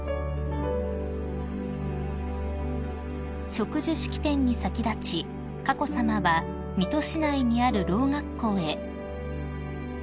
［植樹式典に先立ち佳子さまは水戸市内にあるろう学校へ］